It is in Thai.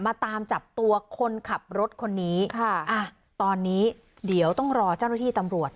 ตามจับตัวคนขับรถคนนี้ค่ะอ่ะตอนนี้เดี๋ยวต้องรอเจ้าหน้าที่ตำรวจ